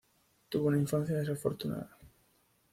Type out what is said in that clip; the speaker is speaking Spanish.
Tuvo una infancia desafortunada.